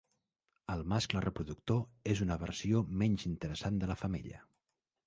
El mascle reproductor és una versió menys interessant de la femella.